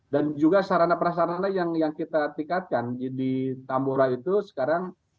dan juga sarana perasarana yang kita tingkatkan di tambora itu sekarang